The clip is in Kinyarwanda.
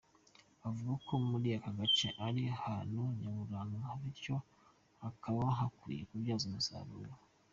Avuga ko muri aka gace ari ahantu Nyaburanga, bityo hakaba hakwiye kubyazwa umusaruro.